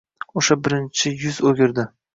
o'sha birinchi yuz o'giradi.